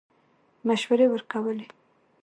مشورې ورکولې.